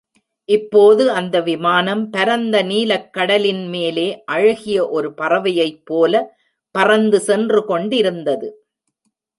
இப்போது அந்த விமானம் பரந்த நீலக் கடலின் மேலே அழகிய ஒரு பறவையைப்போல பறந்து சென்றுகொண்டிருந்தது.